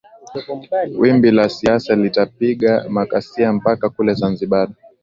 wimbi la siasa litapiga makasia mpaka kule zanzibar